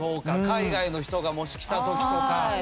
海外の人がもし来たときとか。